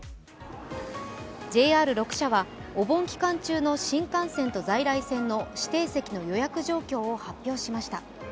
ＪＲ６社はお盆期間中の新幹線と在来線の指定席の予約状況を発表しました。